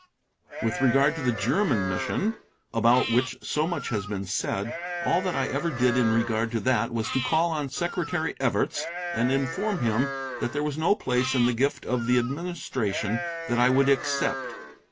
With regard to the German Mission, about which so much has been said, all that I ever did in regard to that was to call on Secretary Evarts and inform him that there was no place in the gift of the administration that I would accept.